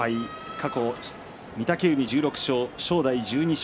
過去御嶽海１６勝正代１２勝。